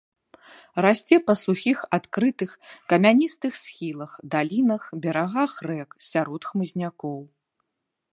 Расце па сухіх, адкрытых, камяністых схілах, далінах, берагах рэк, сярод хмызнякоў.